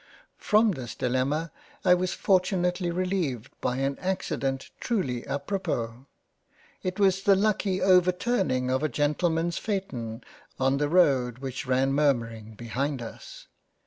From this Dilemma I was most fortunately releived by an accident truly apropos ; it was the lucky overturning of a Gentleman's Phaeton, on the road which ran murmuring behind us.